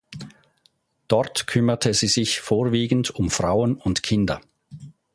Dort kümmerte sie sich vorwiegend um Frauen und Kinder.